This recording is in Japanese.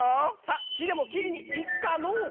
さっ木でも切りに行くかのう。